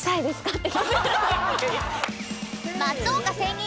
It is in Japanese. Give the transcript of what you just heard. って。